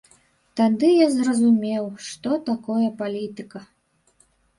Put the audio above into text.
Тады я зразумеў, што такое палітыка.